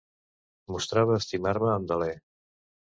Mostrava estimar-me amb deler.